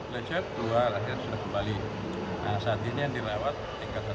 dikasih serina dikasih rotator ya kan